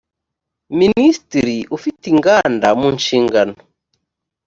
minisitiri ufite inganda mu nshingano